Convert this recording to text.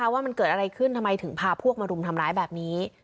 ว่ามันเกิดอะไรขึ้นทำไมถึงพาพวกมารุมทำร้ายแบบนี้